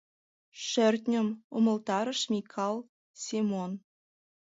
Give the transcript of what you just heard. — Шӧртньым, — умылтарыш Микал Семон.